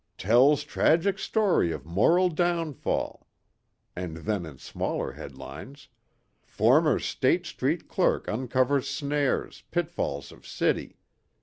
"Tells Tragic Story of Moral Downfall." And then in smaller headlines, "Former State Street Clerk Uncovers Snares, Pitfalls of City."